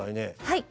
はい。